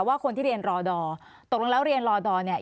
ว่าคนที่เรียนรอดอร์ตกลงแล้วเรียนรอดอร์เนี่ย